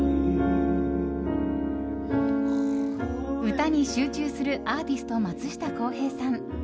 歌に集中するアーティスト、松下洸平さん。